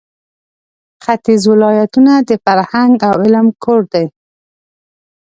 ختیځ ولایتونه د فرهنګ او علم کور دی.